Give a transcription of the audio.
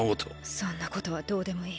そんなことはどうでもいい。